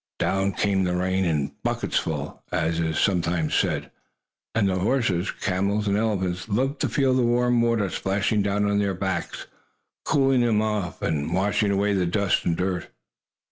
Down came the rain, in "buckets full," as is sometimes said, and the horses, camels and elephants loved to feel the warm water splashing down on their backs, cooling them off and washing away the dust and dirt.